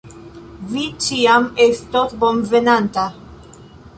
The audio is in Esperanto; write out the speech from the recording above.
Vi ĉiam estos bonvenanta.